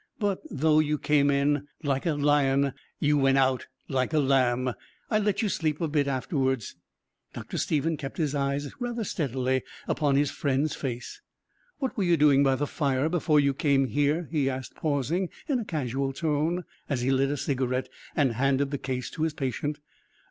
But though you came in like a lion, you went out like a lamb. I let you sleep a bit afterwards." Dr. Stephen kept his eyes rather steadily upon his friend's face. "What were you doing by the fire before you came here?" he asked, pausing, in a casual tone, as he lit a cigarette and handed the case to his patient.